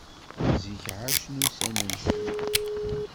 Zik εacen ussan-nsen.